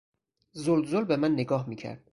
زل زل به من نگاه میکرد.